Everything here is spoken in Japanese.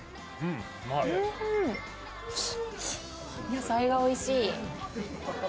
野菜がおいしい。